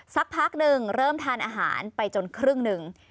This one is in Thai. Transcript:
สักพักหนึ่งเริ่มทานอาหารไปจนครึ่งหนึ่ง